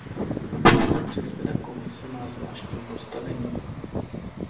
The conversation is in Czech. Předseda Komise má zvláštní postavení.